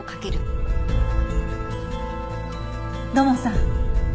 土門さん